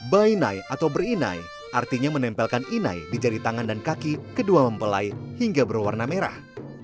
ba inai atau ber inai artinya menempelkan inai di jari tangan dan kaki kedua mempelai hingga berwarna merah